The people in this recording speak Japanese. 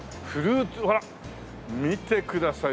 ほら見てください